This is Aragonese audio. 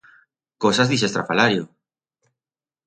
Cosas d'ixe estrafalario!